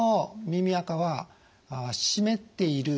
耳あかが湿っている。